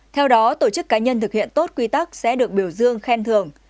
theo đó tổ chức cá nhân thực hiện tốt quy tắc sẽ được biểu dương khen thường